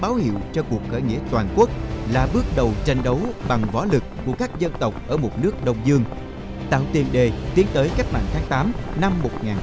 báo hiệu cho cuộc khởi nghĩa toàn quốc là bước đầu tranh đấu bằng võ lực của các dân tộc ở một nước đông dương tạo tiền đề tiến tới cách mạng tháng tám năm một nghìn chín trăm bốn mươi năm